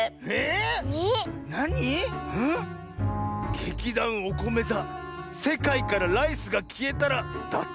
劇団おこめ座「せかいからライスがきえたら」だって。